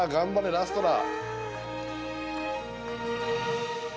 ラストだ。